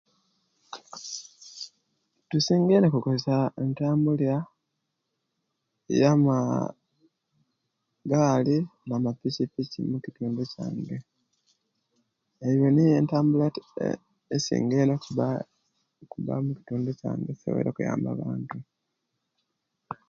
Tusingire kukozesia intambulia ya ya maa gali na mapikipiki mukitundu kyange eyo niyo entambula eti esinga eino okuba okuba mukitundu kyange okuyamba abantu